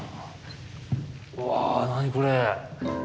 わ何これ。